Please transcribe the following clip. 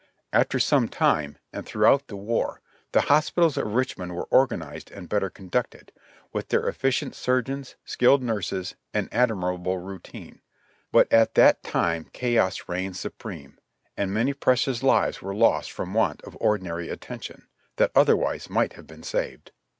After some time, and throughout the war, the hospitals of Richmond were organized and better conducted, with their efficient surgeons, skilled nurses, and admirable routine; but at that time chaos reigned supreme, and many precious lives w^ere lost from want of ordinary attention, that otherwise might have been saved.